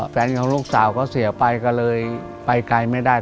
แฟนของลูกสาวก็เสียไปก็เลยไปไกลไม่ได้